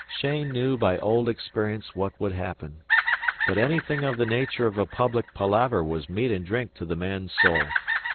Cheyne knew by old experience what would happen; but anything of the nature of a public palaver was meat and drink to the man's soul.